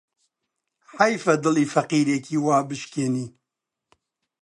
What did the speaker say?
حەیفە دڵی فەقیرێکی وا بشکێنی